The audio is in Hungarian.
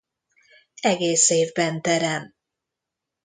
Egész évben terem.